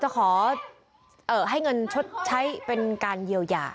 จะขอให้เงินชดใช้เป็นการเยียวยา